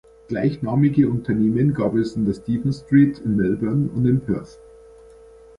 Gleichnamige Unternehmen gab es in der Stephen Street in Melbourne und in Perth.